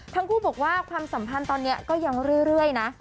ทั้งคู่บอกว่าความสัมพันธ์ตอนนี้ก็ยังเรื่อยนะ